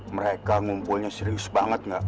mereka ngumpulnya serius banget gak